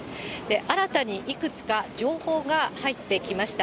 新たにいくつか情報が入ってきました。